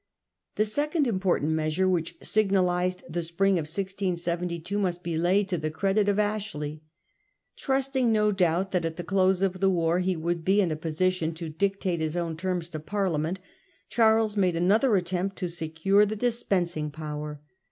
The second important measure which signalised the spring of d cl ration I ^ 2 must b e laid t0 credit of Ashley. oHndui 1011 Trusting, no doubt, that at the close of the Earch is? 2 ' war wou ^ b e in a position to dictate his own terms to Parliament, Charles made another attempt to secure the dispensing power.